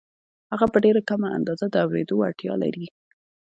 هغه په ډېره کمه اندازه د اورېدو وړتیا لري